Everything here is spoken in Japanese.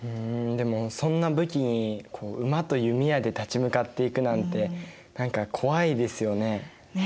でもそんな武器に馬と弓矢で立ち向かっていくなんて何か怖いですよね？ね。